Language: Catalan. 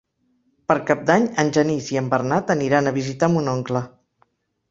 Per Cap d'Any en Genís i en Bernat aniran a visitar mon oncle.